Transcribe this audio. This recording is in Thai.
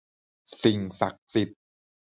สิ่งศักดิ์สิทธิ์